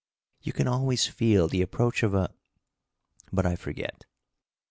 You can always feel the approach of a but I forget.